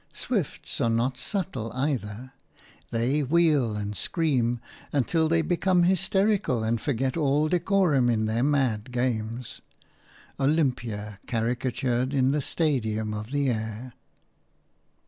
Swifts are not subtle either; they wheel and scream until they become hysterical and forget all decorum in their mad games – Olympia caricatured in the stadium of the air.